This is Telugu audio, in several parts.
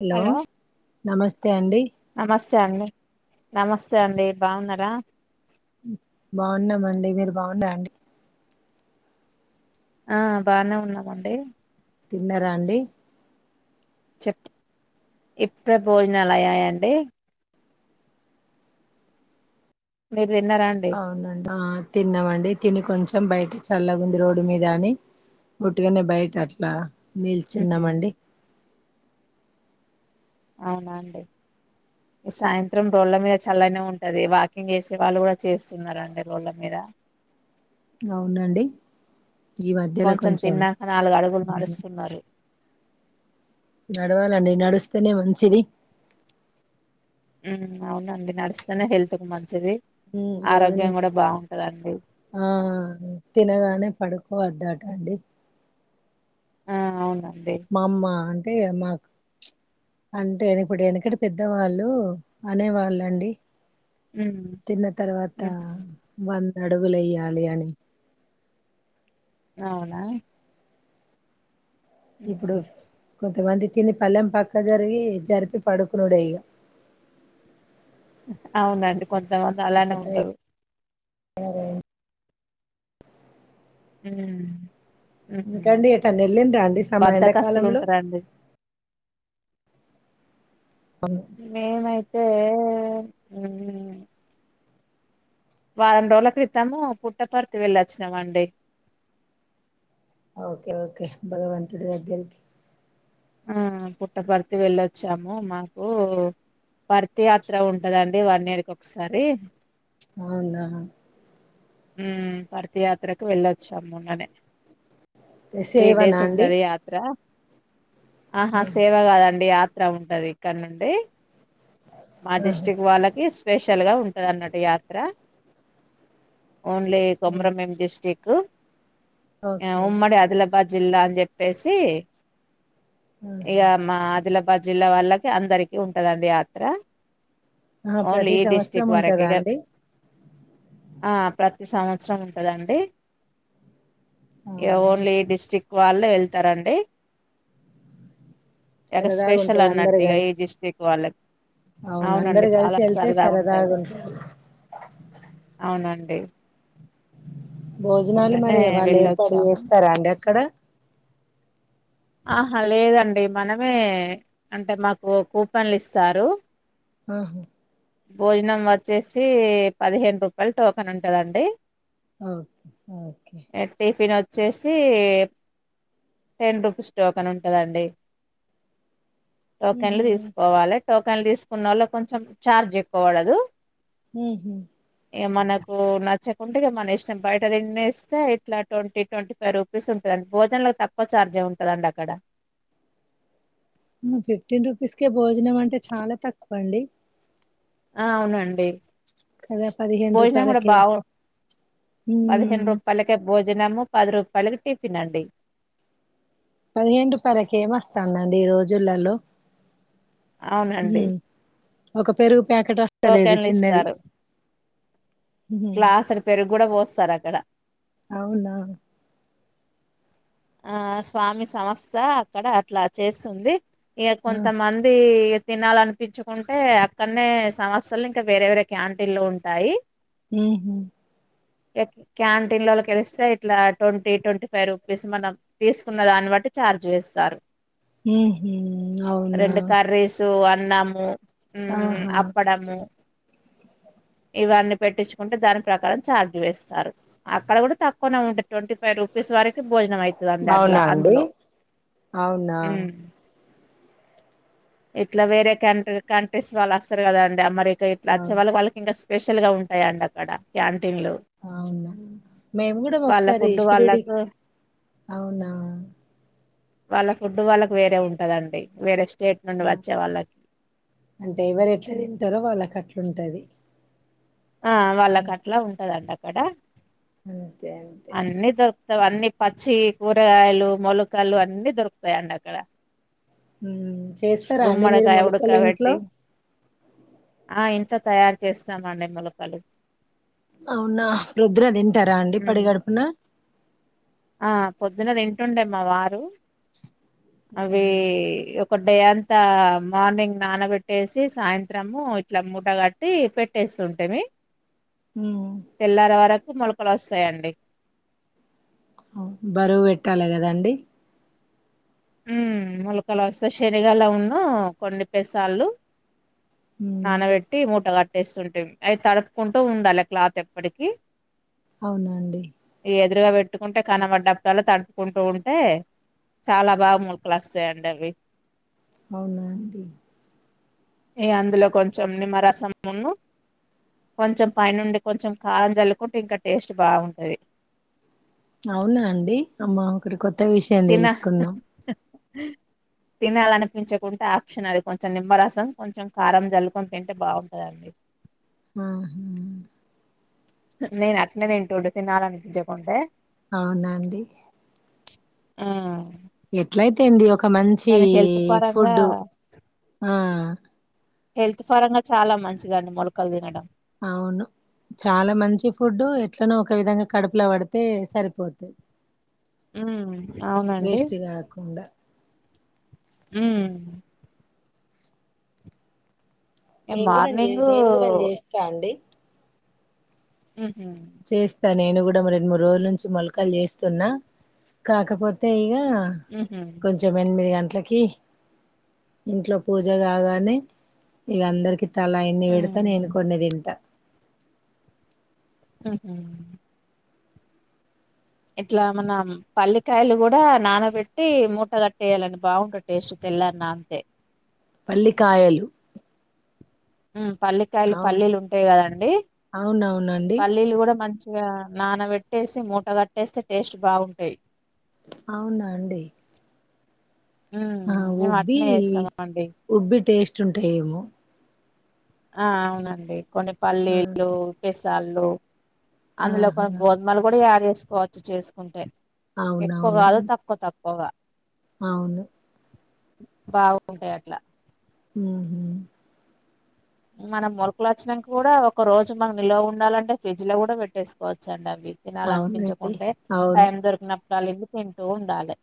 హలో నమస్తే అండి నమస్తే అండి నమస్తే అండి బాగున్నారా బాగున్నామండి మీరు బాగుండండి ఆ బానే ఉన్నామండి తిన్నారా అండి చె ఇప్పుడు భోజనాలు అయ్యాయంండి మీరు తిన్నారా అండి అవునండి తిన్నామండి తిని కొంచెం బయట చల్లగాంది రోడ్డు మీద అని ఉట్గానే బయట అట్లా ఉహు నిల్చున్నామండి అవునాండి ఈ సాయంత్రం రోడ్ల మీద చల్లనే ఉంటది వాకింగ్ చేసే వాళ్ళు కూడా చేస్తున్నండి రోడ్ల మీద అవునండి ఈ మధ్యల కొంచెం తిన్నాక నాలుగు అడుగులు నడుస్తున్నారు నడవాలండి నడుస్తేనే మంచిది అవునండి నడుస్తేనే హెల్త్ కు మంచిది బోధన ఆరోగ్యం చే కూడా బాగుంటదండి ఆ తినగానే పడుకు వద్దటండి. ఆ అవునా మామ్మ అంటే మాకు అంటే ఇప్పుడు వెనకడ పెద్దవాళ్ళు అనేవాళ్ళు అండి ఉమ్ తిన్న తర్వాత ఉహు వ అడుగులెయ్యాలనీ అవునా ఇప్పుడు ఉహు కొంతమంది తిని పల్లెం పక్క జరిగి జరిపి పడుకునుడె ఇగ అవునండి కొంతమంది అలానే ఉంటరు సరే హ్మ్ ఉ ఇంకండి ఎటన్న వెళ్ళిండ్రా అండి సమ బద్దకస్తులు ఎండాకాలంలో ఉంటరండి మేమైతే వారం రోజుల క్రితము పుట్టపర్తి వెళ్ళొచ్చినమండి ఓకే ఓకే భగవంతుడి దగ్గరికి ఆ పుట్టపర్తి వెళ్ళొచ్చాము మాకు పర్తి యాత్ర ఉంటదండి వన్ ఇయర్ కి కొకసారి అవునా ఉమ్ పర్తి యాత్రకు వెళ్లొచ్చా మొన్ననే త్రీ సేవనా డేస్ అండి ఉంటది యాత్ర ఆహా సేవ గాదండి యాత్ర ఉంటది ఇక్కడ్నుండి మా ఆహా డిస్ట్రిక్ట్ వాళ్లకి స్పెషల్ గా ఉంటది అన్నట్టు యాత్ర only Komaram Bheem district okay ఉమ్మడి అదిలాబాద్ జిల్లా అని జేప్పేసి ఇగ మా అదిలాబా పది జిల్లా వాళ్లకి అందరికీ యాత్ర ఉంటదండి యాత్ర ఆహా ఓన్లీ ప్రతి ఈ సంవత్సరం డిస్ట్రిక్ వరకే ఉంటదా ఇగ అండి ఆ ప్రతి సంవ అవసరం ఉంటదండి, ఏ అవునా ఓన్లీ డిస్ట్రిక్ట్ వాళ్లే ఎళ్తారండి. ఏగస్ సరదాగా స్పెషల్, ఉంటది అందరు అన్నట్టు ఇగ ఈ కలిసి డిస్ట్రిక్ట్ వాళ్లక. అవును అవునండి అందరు కలిసి చాలా వెళ్తే సరదాగా ఉంటది అవునండి భోజనాలు మొన్ననే మరి వాళ్లు ఏర్పాటు వెళ్ళొచ్చాము జేస్తారా అండి అక్కడ. ఆహా లేదండి మనమే అంటే మాకు కూపన్లు ఇస్తారు. ఆహా భోజనం వచ్చేసి పదిహేను రూపాయలు టోకెన్ ఉంటదండి ఓకే ఓకే చేసి టెన్ రుపీస్ టోకెన్ ఉంటదండి టోకెన్లు ఓకే తీసుకోవాలే టోకెన్లు తీసుకున్నోళ్లకి కొంచెం ఛార్జ్ ఎక్కువ వడదు ఉహుహు ఇగ మనకు నచ్చకుంటే ఇగ మన ఇష్టం బయట తినేస్తే ఇట్లా ట్వంటీ ట్వంటీ ఫైవ్ రూపీస్ ఉంటది భోజన్లకు తక్కువ ఛార్జ్ ఉంటదండి అక్కడ అమ్మ ఫిఫ్టీన్ రూపీస్ కే భోజనం అంటే చాలా తక్కువ అండి ఆ అవునండి కదా పదిహేను భోజనం గూడా రూపాయలకే బాగు పదహేను ఉమ్ రూపాయలకే భోజనము పది రూపాయలకి టిఫిన్ అండి పదిహేను రూపాయలకి ఏమోస్తాందండి ఈ రోజులలో ఉహు అవునండి ఒక పెరుగు ప్యాకెట్ వస్ టోకెన్లు ఇస్తారు ఉహు గ్లాసేడు పెరుగు గూడా పోస్తారక్కడ అవున ఆ స్వామి సంస్థ అక్కడ అట్ల చేస్తుంది ఇగ ఆ కొంతమంది తినాలన్పించకుంటే అక్కనే సంస్థలనే ఇంకా వేరే వేరే క్యాంటీన్లు ఉంటాయి ఉహు ఇగ క్యాంటీన్ లోలకిలిస్తే ఇట్లా ట్వంటీ ట్వంటీ ఫైవ్ రూప్ వేసి మనం తీసుకున్న దాన్ని బట్టి ఛార్జ్ వేస్తారు ఉహు అవునా రెండు కర్రీసు అన్ అన్నము ఉమ్ ఆహా అప్పడము [inaudible] ఇవన్నీ పెట్టించుకుంటే దాని ప్రకారం ఛార్జ్ వేస్తారు. అక్కడ గూడా తక్కువనే ఉంటది ట్వంటీ ఫైవ్ రూపీస్ వరక్ భోజనం అయితదండి ఆన్ల అవునా అండి అందులో అవునా ఇట్లా వేరే కంట్రీ కంట్రీస్ వాళ్లు అస్తారు గదా అండి అమరీక్ ఇగా ఇట్లా అచ్చే అవు వాళ వాళ్లకి ఇంకా స్పెషల్ గా ఉంటాయి అండి అక్కడ క్యాంటీన్లు అవున మేము కూడా వాళ్ళ ఒకసారి ఫుడ్ షిరిడి వాళ్ళకు అవునా వాళ్ళ ఫుడ్ వాళ్ళకి వేరే ఉంటదండి వేరే స్టేట్ నుండి ఆ వచ్చే వాళ్ళకి అంటే ఎవరు ఎట్లా తింటారో వాళ్ళకట్లుంటది. ఆ వాళ్ళకట్లా ఉంటదంట అక్కడ అంతే అంతే [unintelligible] వన్నీ పచ్చి కూరగాయలు, మొలకలు అన్ని దొరుకుతాయండి అక్కడ. మ్మ్ చేస్తారాండి మీరు గుమ్మడికాయ మొలకలు ఇంట్లో ఉడకబెట్టి ఆ ఇంట్లో తయారు చేస్తామండి మొలకలు అవునా రుద్ర తింటారాండి పడి ఉమ్ గడుపున. ఆ పొద్దున తింటూడే మావారు అవి ఒక డే అంతా మార్నింగ్ నానబెట్టేసి సాయంత్రము ఇట్లా మూటగట్టి పెట్టేస్. స్తుంటిమి తెల్లారే వరకు మొలకలోస్సయండి. బరువు పెట్టాలే కదండి ఉ మొలకలోస్సయి శనిగలను, కొన్ని పెసళ్ళు. నాణబేట్టి మూట గట్ తెస్తుంటిమి అయి తడుపుకుంటూ ఉండాల క్లాత్ ఎప్పటికి. అవునాండి ఈ ఎదురుగా పెట్టుకుంటే కనబడప్పుడల్ల తడుపుకుంటూ ఉంటే చాలా. బాగా మొలకలు వస్తాయి అండి అవి అవున అండి ఎ అందులో కొంచెం నిమ్మరసంమును కొంచెం పైనుండి, కొంచెం కారం చల్లుకుంటే ఇంకా టేస్ట్ బాగుంటది. అవునా అండి అమ్మ ఒకటి కొత్త విషయం తెలుసుకున్నాం. హ తినాలనిపించకుంటే ఆప్షన్ అది కొంచెం నిమ్మరసం, కొంచెం కారం జల్లుకొని తింటే బాగుంటదండి. అహ్యు నేను అట్నేతింటుండే తినాలనిపించకుంటే. అవునాండి ఆ ఎట్లయితేంది ఒక మంచి కానీ హెల్త్ పరంగా ఫుడ్ ఆ. హెల్త్ పరంగా చాలా మంచిదండి మొలకలు తినడం. అవును చాలా మంచి ఫుడ్ ఎట్లనో ఒక విధంగా కడుపులా పడ. తే సరిపోతు ఉమ్ అవునండి వేస్ట్ కాకుండ. మ్మ్ మేము కూడాన్జె మార్నింగ్ నేను కూడాన్ చేస్తా అండి ఉహు చేస్తా నేను కూడా రెండు, మూడు రోజుల నుంచి మొలకల్ చేస్తున్నా కాకపోతే ఇగ. [unintelligible] ఉహు కొంచెం ఎనిమిది గం ట్లకి ఇంట్లో పూజ కాగానే ఇగందరికీ. తలా ఇన్ని పెడతా నేను కొన్ని తింట ఉహు ఇట్లా మన పల్లికాయలు కూడా నానబెట్టి మూట కట్టేయాలండి బాగుంటది టేస్ట్తే. తెల్లారి నాన్తే పల్లికాయలు పల్లకాయలు అవు పల్లీలు ఉంటయి కదండి అవునవునండి పల్లీలు కూడా మంచి ఇ నానబెట్టేసి మూట కట్టేస్తే టేస్ట్ బాగుంటాయి అవునా అండి ఉమ్ ఆ మేము ఉబ్బి అట్నే చేస్తాము అండి ఉబ్బి టేస్ట్ ఉంటాయ ఏమో ఆ అవునండి కొన్ని ఆ, పల్లీలు పెసళ్ళు అందులో కొన్ని ఆహా గోధుమలు కూడా యాడ్ చేసుకోవచ్చు చేసుకుంటే ఎక్కువ కాదు అవునవునండి తక్కువ తక్కువగా అవును బాగుంటయి అట్లా హ మనం మొలకల వచ్చనంక కూడా ఒక రోజు మన నిల్వ ఉండాలంటే ఫ్రిడ్జ్ లో కూడా పెట్టేసుకోవచ్చ అంటవి తినాల అవునండి అనిపించకుంటే అవును టైం దొరికినప్పుడు అళ్ళ ఇ తింటూ ఉండాలి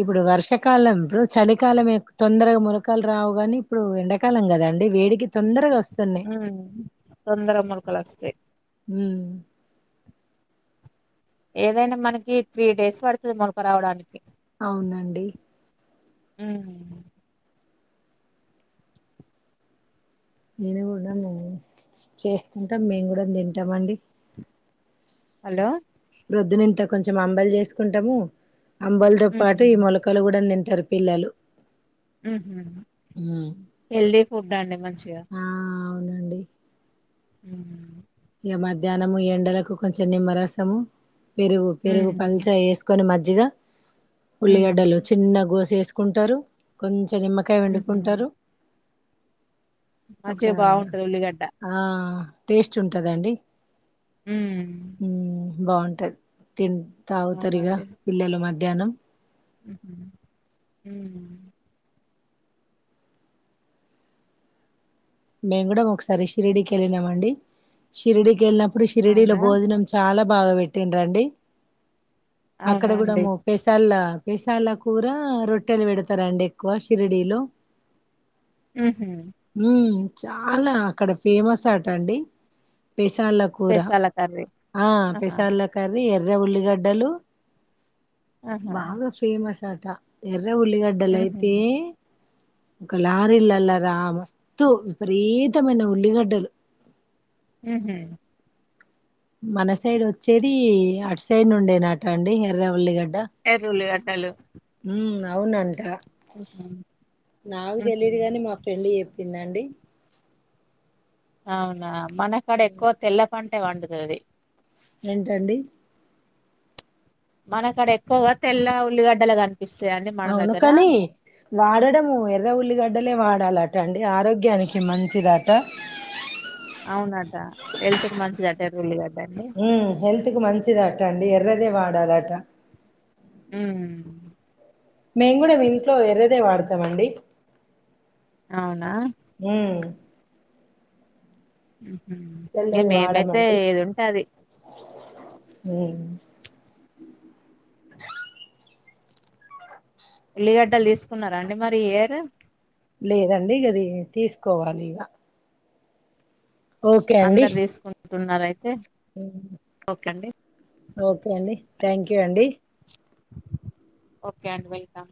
ఇప్పుడు వర్షాకాలం ఇప్పుడు చలికాలం తొందరగా మలకలు రావుగాని ఇప్పుడు ఎంకాలం కదా అండి వేడికి తొందరగా వస్త హుమ్ తొందర మొలకలు వస్తయి ఉమ్ ఏదైనా మనకి త్రీ డేస్ పడుతది మొనక రావడానికి అవునండి హుమ్ నేను కూడా మేము చేసుకుంటాం మేము కూడా తింటమండి హలో ప్రొద్దున ఇంత కొంచెం అంబలి చేసుకుంటము అంబలితో హుహు. పాటు ఈ మొలకలు కూడా తింటరు పిల్లలు ఉమ్. హెల్దీ ఫుడ్ అండి మంచిగా ఆ అవునండి ఉ ఇగ మధ్యాహ్నము ఎండలకు కొంచెం నిమ్మరసము పెరుగు పెరుగు హ్మ్. పల్చ వేసుకొని మజ్జిగ ఉల్లిగడ్డలు హ్మ్. చిన్న గోసె వేసు కుంటరు కొంచెం నిమ్మకాయ హుహు. పిండుకుంటరు ఒక మజ్జిగ బావుంటది ఉల్లిగడ్డ. ఆ టేస్ట్ ఉంటదండి హ్మ్. బాగుంటది తి తాగుతరిగా అవునండి. పిల్లలు మధ్యాహ్నం హ్మ్ మేము కూడా ఒకసారి షిరిడికి వెళ్ళినమండి షిరిడికి వెళ్ళిన ఇప్పుడు షిరడిలో అవునా? భోజనం చాలా బాగా పెట్టిడ్రండి అక్కడ అవునా కూడా అండి. ముప్పేసల్ళ పెసల్ల కూర రొట్టెలు పెడతారండి ఎక్కువ షిరిడిలో ఉహూ చాలా అక్కడ ఫేమస్ అటండి పెసల్ల కూర పెసల కర్రీ. ఆ ఆహా! పెసల్ల కర్రీ ఎ ఎర్ర ఉల్లిగడ్డలు ఆహా! బాగా ఫేమస్ అట ఎ ఎర్ర ఉల్లిగడ్డల హుహు. అయితె ఒక లారీ లల్లా రా మస్తు పరీతమైన ఉల్లిగడ్డలు హూ మన సైడ్ వచ్చేది అటు సైడ్ నుండెనట అండి ఎర్రఉల్లిగడ్డ ఎర్ర ఉల్లిగడ్డలు అవునంట నాకు హుహు. తెలియదు గానీ మా ఫ్రెండ్ చెప్పిందండి అవునా మనకాడ ఎక్కువ తెల్ల పంటే పండుతది ఏంటండి మనకాడ ఎక్కువ తెల్ల ఉల్లిగడ్డలు గా అవును కాని వాడడము ఎర్ర ఉల్లిగడ్డలే వాడాలటండి ఆరోగ్యానికి మంచిదాట అవునట హెల్త్ కి మంచిదట ఎర్రఉల్లి గడ్డ ఉమ్ హెల్త్ కు మంచిదట అండి ఎర్రదే వాడాలట ఉమ్ మేము గూడా ఇంట్లో ఎర్రదే వాడతామండి అవును మ్మ్ తెల్లది మేమైతే వాడమండి ఏది ఉంటే అది మ్మ్ ఉల్లిగడ్డలు తీసుకున్నారా అండి మరి ఈ ఇయర్ లేదండి గది తీసుకోవాలి ఇగ ఓకే అండి అందరు తీసుకుంటున్నారు అయితే ఓకే అండి ఓకే అండి థ్యాంక్ యూ అండి ఓకే అండి వెల్కమ్